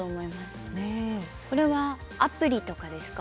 これはアプリとかですか？